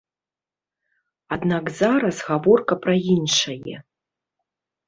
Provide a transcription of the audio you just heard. Аднак зараз гаворка пра іншае.